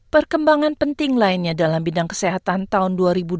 perkembangan penting lainnya dalam bidang kesehatan tahun dua ribu dua puluh